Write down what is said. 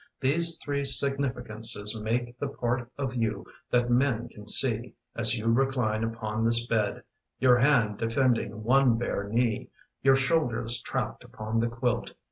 These three significances make The part of you that men can see, As you recline upon this bed, Your hand defending one bare knee, Your shoulders trapped upon the quilt.